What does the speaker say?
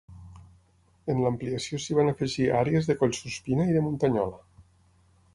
En l'ampliació s'hi van afegir àrees de Collsuspina i de Muntanyola.